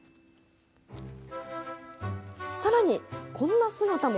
さらに、こんな姿も。